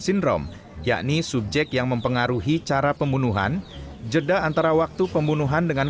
sindrom yakni subjek yang mempengaruhi cara pembunuhan jeda antara waktu pembunuhan dengan